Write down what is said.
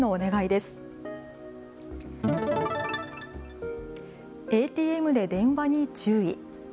ＡＴＭで電話に注意。